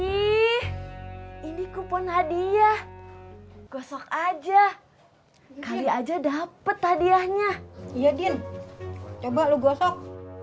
ih ini kupon hadiah gosok aja kali aja dapat hadiahnya ya din coba lo gosok